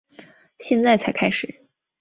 现在才开始